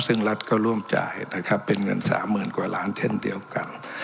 ซึ่งรัฐก็ร่วมจ่ายนะครับเป็นเงินสามหมื่นกว่าล้านเช่นเดียวกัน